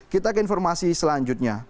kita ke informasi selanjutnya